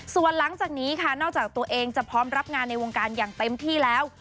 ส่วนหลังจากนี้ค่ะนอกจากตัวเองจะพร้อมรับงานในวงการอย่างเต็มที่แล้ว